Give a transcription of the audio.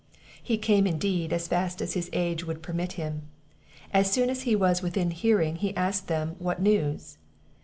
He came, indeed, as fast as his age would permit him. As soon as he was within hearing, he asked them what news?